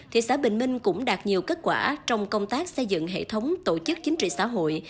thị xã bình minh cũng đạt nhiều kết quả trong công tác xây dựng hệ thống tổ chức chính trị xã hội